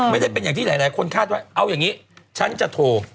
ไม่ได้เป็นอย่างที่หลายคนคาดว่าเอาอย่างนี้ฉันจะโทร